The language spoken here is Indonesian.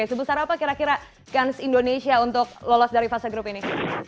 sebesar apa kira kira guns indonesia untuk lolos dari fase grup ini